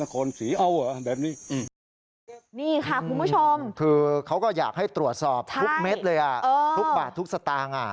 คือเขาก็อยากให้ตรวจสอบทุกเม็ดเลยอ่ะทุกบาททุกสตางค์อ่ะ